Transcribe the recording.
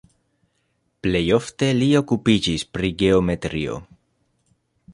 Plej ofte li okupiĝis pri geometrio.